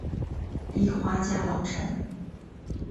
立花家老臣。